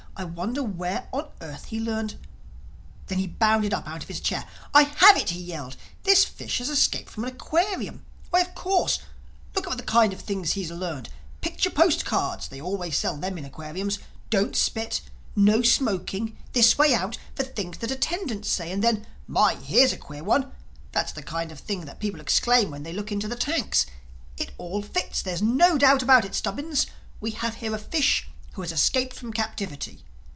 "I wonder where on earth he learned—" Then he bounded up out of his chair. "I have it," he yelled, "this fish has escaped from an aquarium. Why, of course! Look at the kind of things he has learned: 'Picture postcards'—they always sell them in aquariums; 'Don't spit'; 'No smoking'; 'This way out'—the things the attendants say. And then, 'My, here's a queer one!' That's the kind of thing that people exclaim when they look into the tanks. It all fits. There's no doubt about it, Stubbins: we have here a fish who has escaped from captivity.